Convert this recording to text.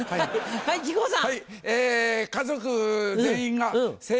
はい木久扇さん。